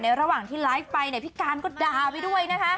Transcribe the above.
ระหว่างที่ไลฟ์ไปเนี่ยพี่การก็ด่าไปด้วยนะคะ